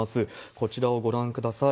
こちらをご覧ください。